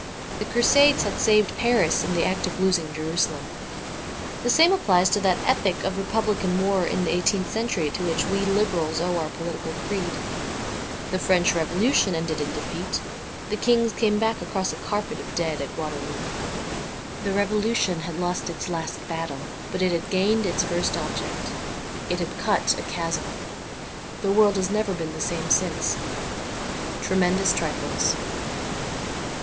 The Crusades had saved Paris in the act of losing Jerusalem. The same applies to that epic of Re publican war in the eighteenth century to which we Liberals owe our political creed. The French Revolution ended in defeat ; the kings came back across a carpet of dead at Waterloo. The Revolu tion had lost its last battle, but it had gained its first object. It had cut a chasm. The world has never been the same since. ' Tremendous Trifles.